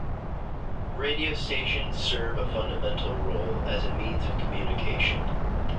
Radio stations serve a fundamental role as a means of communication.